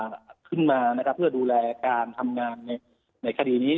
ขึ้นมาเพื่อดูแลการทำงานในคดีนี้